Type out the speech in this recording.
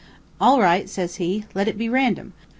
"'All right,' says he. 'Let it be random.